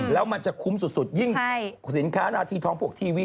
แล้วมันจะคุ้มสุดยิ่งสินค้านาทีทองพวกทีวี